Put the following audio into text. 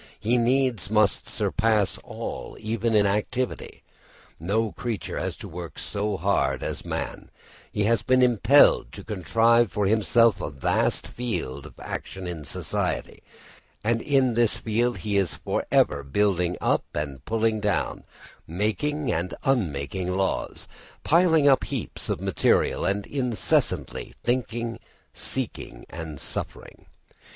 He needs must surpass all, even in activity. No creature has to work so hard as man; he has been impelled to contrive for himself a vast field of action in society; and in this field he is for every building up and pulling down, making and unmaking laws, piling up heaps of material, and incessantly thinking, seeking and suffering.